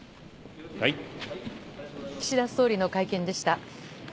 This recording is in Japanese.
岸田総理の会見でした。